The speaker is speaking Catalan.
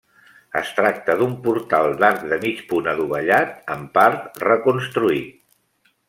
Es tracta d'un portal d'arc de mig punt adovellat, en part reconstruït.